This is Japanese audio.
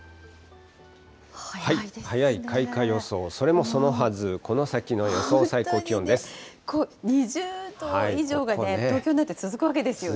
早い開花予想、それもそのは本当にね、２０度以上がね、東京なんかで続くわけですよね。